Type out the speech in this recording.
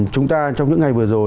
chúng ta trong những ngày vừa rồi